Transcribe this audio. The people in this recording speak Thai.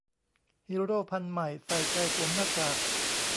ฮีโร่พันธุ์ใหม่ ใส่ใจสวมหน้ากาก